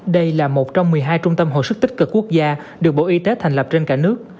đây là một trong một mươi hai trung tâm hồi sức tích cực quốc gia được bộ y tế thành lập trên cả nước